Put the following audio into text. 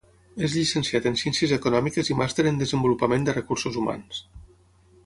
És llicenciat en Ciències Econòmiques i Màster en Desenvolupament de Recursos Humans.